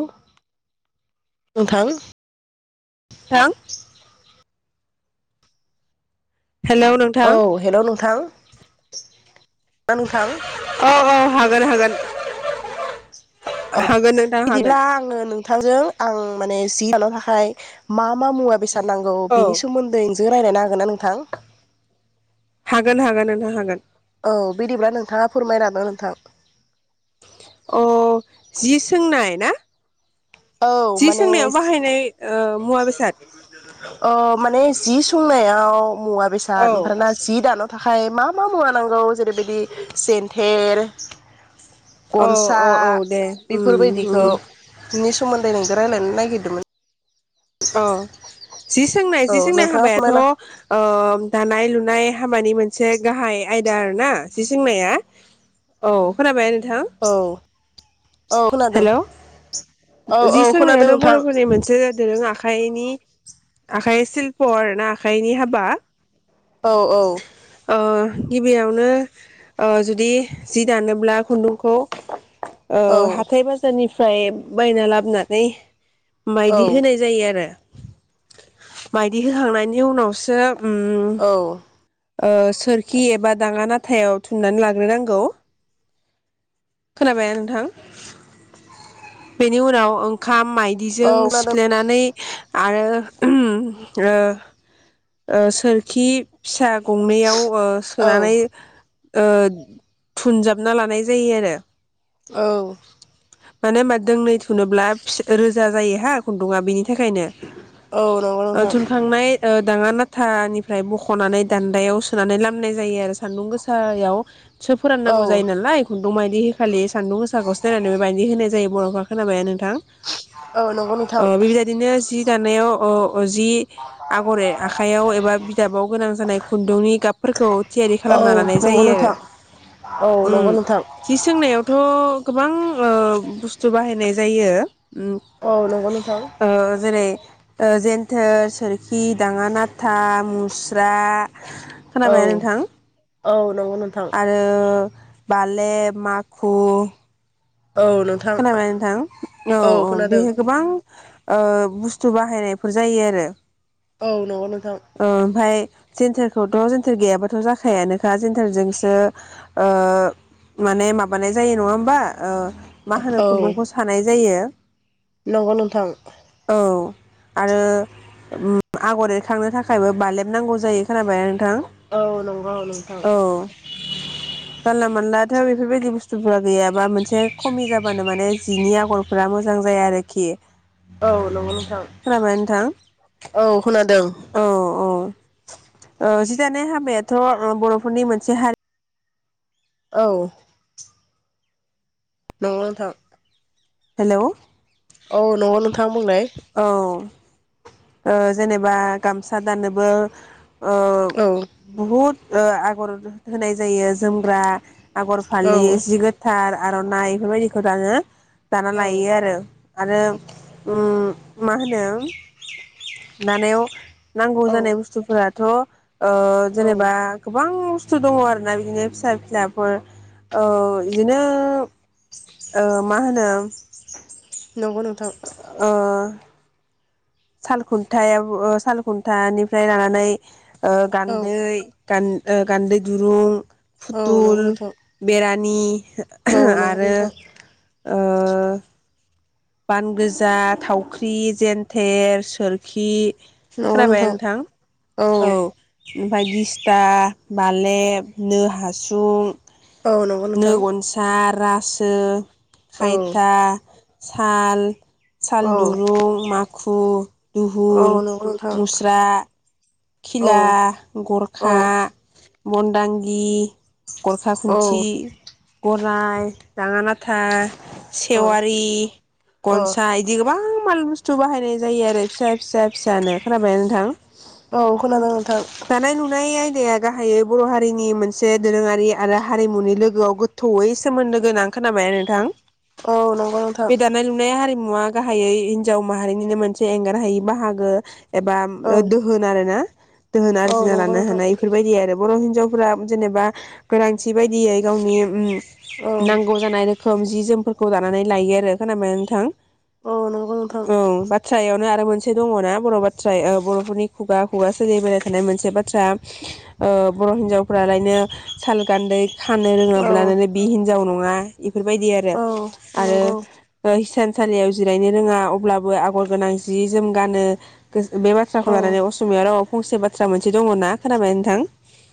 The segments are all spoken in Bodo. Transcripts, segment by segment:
ग' नोंथां। थां हेलौ नोंथां औ हेल' नोंथां ना नोंथां औ औ हाग हागोन हागोन औ हागोन नोंथां बिदिब्ला हागोन आंङो नोंथांजों आं माने जि दानो थाखाय मा मा मुवा बेसाद नांगौ औ बिनि सोमोन्दै जों रायज्लायनो हागोन ना नोंथां? हागोन हागोन नोंथां हागोन। औ बिदिब्ला नोंथांङा फोरमायलां नोंथां अ जि सोंनाय ना? औ जि माने सोंनायाव बाहायनाय ओ मुवा बेसाद अ माने जि सोंनायाव मुवा औ बेसाद ओमफ्रायना जि दानो थाखाय मा मा मुवा नांगौ जेरै बायदि सेन्थेर औ औ औ दे उम बेफोरबायदिखौ उम नि सोमोन्दै नोंजों रायज्लायनो नागिरदोंमोन। औ जि सोंनाय औ जि सोंनाय नोंथाङा हाबायाथ' फोरमायना ओ दानाय लुनाय। हाबानि मोनसे गाहाय आयदा आरो ना जि सोंनाया औ खोनाबाय। औ औ खोनादों हेल' औ जि औ खोनादों सोंनायाथ' नोंथां बर'फोरनि मोनसे जादों दोरो आखाइ आखाइनि आखाइनि सिल्प आरो ना आखाइनि हाबा औ औ ओ गिबियावनो ओ जुदि जि दानोब्ला खुन्दुंखौ ओ औ हाथाय बाजारनि फ्राय बायना लाबोनानै बायदि औ होनाय जायो आरो मायदि होखांनायनि उनावसो उम औ ओ सोरखि एबा दांङा नाथायाव थुननानै लाग्रोनांगौ खोनाबाया नोंथां बेनि उनाव ओंखाम माइदिजों औ खोनादों सिफ्लेनानै आरो ओ ओ सोरखि फिसा गंनैयाव ओ सोनानै ओ थुनजाबना लानाय जायो आरो। औ। मानोे होनोबा दोंनै थुनोब्ला फिस-रोजा जायो हा खुन्दुंआ बेनि थाखायनो औ नंगौ नोंथां। ओ दांङा नाथानिफ्राय बख'नानै दान्दायाव सोनानै लामनाय जायो आरो सान्दुं गोसायाव सो औ फोराननांगौ जायो नालाय। रं मायदि खालि सान्दुं गोसाखौ सिनायनानै बेबायदि होनाय जायो बर'फ्रा खोनाबायना नों थां औ नंगौ नोंथां ओ बेबायदिनो जि दानायाव ओ अ जि आगर आखाइयाव एबा बिदाबाव गोनां जानाय खुन्दुंनि गाबफोरखौ थियारि औ खालामना लानाय नंगौ जायो आरो नोंथां औ नंगौ उम। नोंथां जि थ' गोबां ओ बुस्थु बाहायनाय जायो। उम औ नंगौ नोंथां ओ जेरै जेन्थोर सोरखि दाङा नाथा मुस्रा औ खोनाबाय नोंथां? औ नंगौ नोंथां आरो बालेब माखु औ नोंथां खोनाबाय नोंथां औ औ बेहाय गोबां ओ बुस्थु बाहायनायफोर जायो आरो औ न'आव नों ओ ओमफाय। जेन्टारखौथ' जेन्टार गैयाबाथ' जाखायानोखा जेन्टारजोंसो ओ माने माबानाय जायो नङा होमबा? ओ। मा होनो औ खुन्दुंखौ सानाय जायो। नंगौ नोंथां। औ आरो उम आगर थांनो थाखायबो बालेब नांगौ जायो खोनाबाय ना नों औ नंगौ नोंथां थां औ जानला मानला दा बेफोरबायदि बुस्थुफोरा गैयाबा मोनसे खमि जाबानो माने जिनि आगरफोरा मोजां जाया आरोखि औ नंगौ नों थां खोनाबाय नोंथां औ खोनादों औ औ ओ जि दानाय हाबायाथ बरफोरनि मोनसे हारि औ नंगौ नोंथां हेलौ औ नंगौ नोंथां बुंलाय औ ओ जेनेबा गामसा दानोबो ओ औ बहुद ओ आगर होनाय जायो जोमग्रा आगर औ फालि जि गोथार आरनाइ बेफोरबायदिखौ दानो दाना औ लायो आरो आरो उम मा होनो दानायाव नांगौ औ जानाय बुस्थुफोरा थ ओ औ जेनेबा गोबां खस्थ दङ आरोना बिदिनो फिसा फिलाफोर ओ बिदिनो ओ मा होनो नंगौ नोंथां ओ साल खुन्थायाव ओ साल खुन्थानिफ्राय लानानै ओ औ गान्दै गान ओ गान्दै दुरुं औ नंगौ फुथुल नोंथां बेरा नि औ नंगौ आरो नोंथां ओ बान [unintelligible] थावख्रि जेन्थेर सोरखि खोनाबाय ना नोंथां औ ओमफ्राय दिस्था बालेब नो हासुं औ नंगौ नोंथां नोगन सार रासो औ खायथा साल औ सालदरुं मा खु औ दुहुर नंगौ नोंथां मुस्रा औ खिला औ गरखा मनदांगि गरखा औ खुन्थि गर फाय दाङानाथा औ सेवारि अ गनसाय इदि गोबां माल बुस्थु बाहायनाय जायो आरो फिसा-फिसा-फिसानो खोनाबायना नोंथां औ खोनादों नोंथां दानाय लुनाय आयदाया गाहायै बर'हारिनि मोनसे दोरोंङारि आरो हारिमुनि लोगोआव गोथौयै सोमोन्दो गोनां। खोनाबायना नोंथां औ नंगौ नोंथां बे दानाय लुनाय हारि मुवा गाहायै हिनजाव माहारिनिनो मोनसे एंगार हायि बाहागो। एबा औ दोहोन आरो ना। दोहोन औ आरजिना नंगौ लानो नोंथां हानाय बेफोरबायदि आरो बर' हिनजाव जेनेबा गोनांथि बाय दियै गावनि औ नांगौजानाय रोखोम जि जोम फोरखौ दानानै लायो आरो खोबायना नोंथां औ नंगौ नोंथां औ बाथ्रायावनो आरो मोनसे दङना बर' बाथ्रा ओ बर'फोरनि खुगा खुगा सोलिबोबाय थानाय मोनसे बाथ्रा ओ बर' हिनजावफ्रालायनो साल गान्दै खानो औ रोङाब्लानो बि हिन जाव नङा इफोरबायदि आरो औ आरो नंगौ हिसान सालियाव जिरायनो रोङा अब्लाबो आगर गोनां जि जोम गानो बे बाथ्राखौ औ लानानै अस' रावाव फंसे बाथ्रा मोनसे दंङना खोनाबायना नोंथां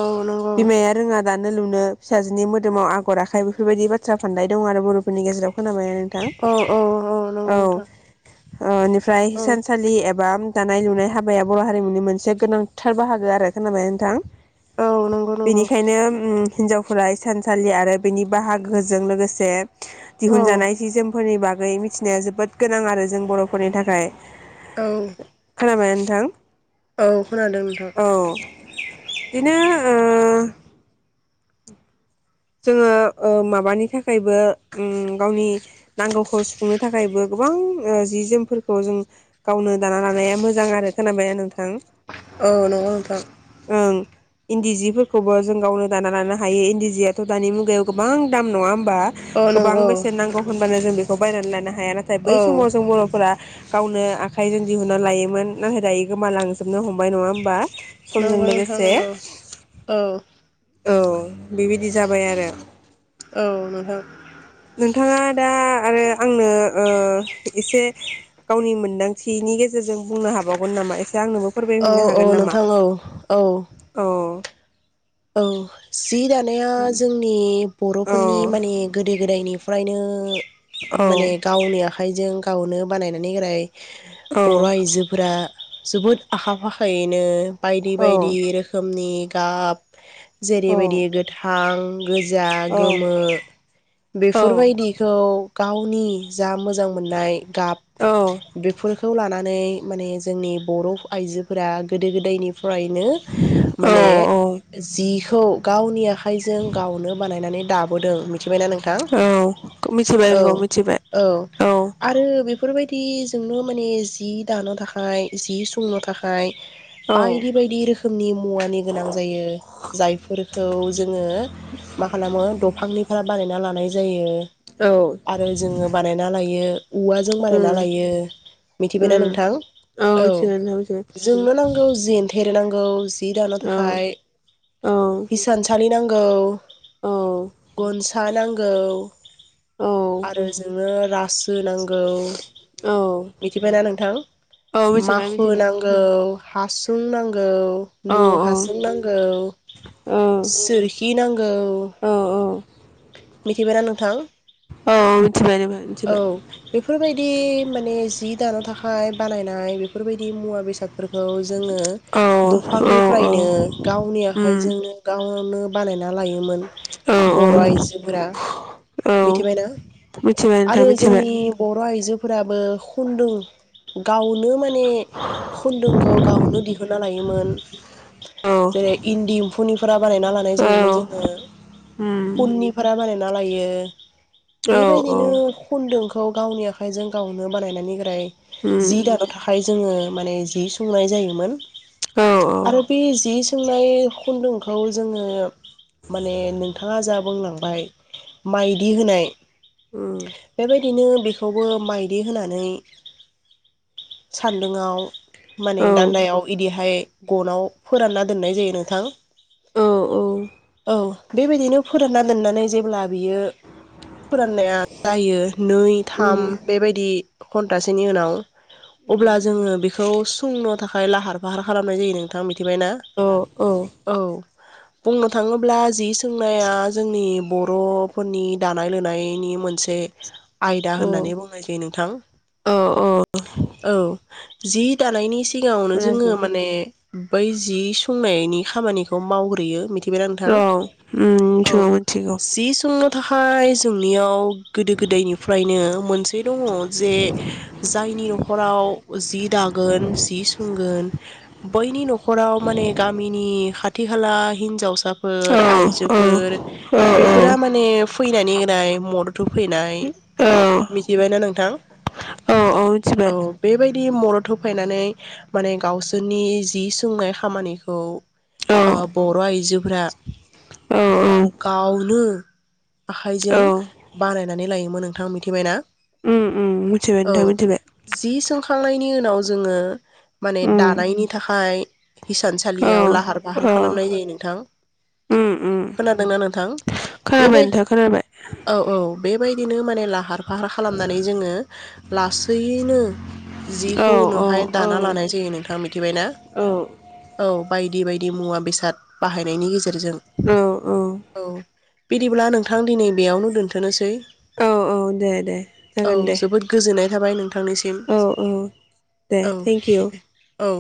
औ नंगौ बिमाया रोंङा दा नोलुनो फिसाजोनि मोदोमाव आगर आखाय बेफोरबायदि बाथ्रा फानदाय दं आरो बर'फोरनि गेजेराव। खोनाबायना नोंथां औ औ औ नंगौ नोंथां अ फ्राय औ सानसालि एब बाय दानाय लुनाय हाबाया बर हारि मुनि मोनसे गोनांथार बाहागो आरो खोनाबाय नोंथां औ नंगौ नंगौ बेनिखायनो उम हिनजावफोरा इसानसालि आरो बेनि बाहागोजों लोगोसे औ दिहुनजानाय सि जोमफोरनि बाग बागै मिथिनाया जोबोद गोनां आरो जों बरफोरनि थाखाय औ खोनाबाय थां औ खोनादों नोंथां बिदिनो ओ जोङो ओ माबानि थाखायबो उम गावनि नांगौखौ सुफुंनो थाखायबो गोबां जि जोमफोरखौ जों गावनो दाना लानाया मोजां आरो खोनाबायना नोंथां औ नंगौ नोथां ओं इन्दि जिफोरखौबो जों गावनो दाना लानो हायो इन्दि जिया थ दानि मुगायाव गोबां दाम नङा होमब बा औ गोबां नंगौ बेसेन नांगौ होनबानो जों बे खौ बायनानै लाना हाया नाथाय बै औ समाव जों बरफोरा गावनो आखाइजों दिहुनना लायोमोन नाथाय दायो गोमालांजोबनो हमबाय नङाहोम बा समजों नंगौ नोंथां लोगोसे नंगौ औ औ बेबायदि जाबाय आरो औ नोंथां नोंथाङा दा आरो आंनो ओ एसे गावनि मोन्दांथिनि गेजेरजों बुंनो हाबावगोन नामा ए दा आंनोबो औ फोरमायहैनो औ हागोन नामा नोंथां औ औ औ औ जि दानाया जोंनि औ बरफोरनि माने गोदो गोदायनि फ्रायनो माने औ गावनिया आखाइजों गावनो बानायनानै राय औ बर आइजोफोरा जोबोद आखा फाखायैनो बायदि बायदि औ रोखोमनि गाब [inaudible] औ जेरैबायदि गोथां गोजा गोमो औ बेफोरबायदिखौ गावनि जा मोजां मोजां मोननाय औ गाब बेफोरखौ लानानै माने जोंनि बर आइजोफोरा गोदो गोदायनि फ्रायनो औ माने बिखौ गावनि आखा खाइजों गावनो बानायनानै दाब बोदों। थिबायना नोंथां औ मिथिबाय औ नंगौ मिथिबाय औ औ आरो बेफो फोरबायदिजोंनो माने जि दानो थाखाय जि संनो थाखाय औ बायदि बायदि रोखोमनि मुवानि गोनां जायो। जायफोरखौ जोङो मा खालामो दफांनिफ्राय बानायना लानाय जायो। औ आरो जोङो बानायना लायो। औवाजों बानायना लायो मिथिबायना नोंथां औ मिथिबाय नोंथां मिथिबाय जोंनो नांगौ जेन्थेर नांग औ जि दान' औ थाखाय। औ इसान सा लि नांगौ। औ गनसा नांग गौ। औ आरो जोंङो रासो नांगौ औ मिथिबायना नोंथां औ मिथिबाय माखु मिथिबाय नांगौ। हासुं नांगौ। औ न' हासुं नांग औ औ सोरखि नांगौ। औ मिथिबायना नोंथां? औ मिथिबाय नोंथां औ मिथिबाय बेफोरबायदि माने जि दानो थाखाय बानायनाय बेफोरबायदि मुवा बेसादफोरखौ जोङो औ औ दंफांनिफ्रायनो गावनि आखाइजोंनो गाव नो बानायना लायोमोन। बर' आयजो। फ्रा मिथिबायना आरो जोंनि बर'आय जोफोराबो खुनदुं गाव नो माने खुन्दुंखौ गावनो दिहुनना लायोमोन जेरै इन्दि एमफौनि बानायना लानाय जायोमोन जोङो उननि बानायना लायो। बेबायदिनो खनदों। खौ गावनि आखाइजों गावनो बानायनायनि ग्राय। जि दानो थाखाय। जोङो माने जि सोंनाय जायोमोन। औ औ आरो बे जि सोंनाय खुन्दुंखौ जोङो माने नोंथाङा जा बुंलां बाय माइदि होनाय औ उम औ बेबायदिनो बेखौबो माइदि होनानै सान्दुंआव माने दान्दायाव इदिहाय गनाव फोरानना दोननाय जायो नोंथां औ बेबायदिनो फोरानना। दोननानै जेब्ला बियो फोराननाया जायो नै थाम बेबायदि घन्टसेनि उनाव अब्ला जोङो बेखौ सोंनो थाखाय लाहार फाहार खालामनाय जायो नोंथाङा मिथिबायना औ बुंनो थाङोब्ला जि सोंनाया। जोंनि बरफोरनि दानाय लुनायनि मोनसे आयदा औ होननानै बुंनाय जायो नोंथां औ औ उम औ जि दानायनि सिगावनो जोङो माने बै जि संनायनि खामानिखौ मावग्रोयो मि औ उम। औ सि सोंनो। थाखाय जोंनियाव। गोदो गोदायनिफ्रायनो मोनसे दङो जे जायनि न खराव जि दागोन जि सोंगोन बैनि नखराव माने गामिनि खाथि खाला हिनजावसा। औ फोर आइजो। औ फोर बेफोरा माने फैनानै होनाय मदथ होफैनाय औ मिथिबायना नोंथां। औ औ मिथिबाय औ बेबायदि मदद। थ फायनानै माने गावसोरनि जि सोंनाय खामानिखौ औ ओ बर' आइजोफोरा। औ गावनो आखाइजों औ बानायनानै लायोमोन नोंथां मोथिबायना। उम उम मोथिबाय नोंथां मोथिबाय। खांनायनि उनाव जोङो। माने उम दानायनि थाखाय औ हिसानसालियाव लाहार फाहार औ खालामनाय जायो नोंथां। उम उम खोनादोंना नोंथां बे खोनाबाय बाय नोंथां खोनाबाय औ औ बे बाय। दिनो माने लाहार फाहार खालामनानै जोङो लासैैनो। औ जिखौ औ उनावहाय औ दाना लानाय जायो नोंथाङा मिथिबाय ना। औ बायदि बायदि मुवा बेसाद बाहायनायनि गेजेरजों। औ औ औ बिदिब्ला नोंथां दिनै बेयावनो दोनथनोसै। औ औ दे दे औ जागोन दे जोबोद गोजोननाय थाबाय नोंथांनिसिम औ औ दे औ थेंक इउ औ।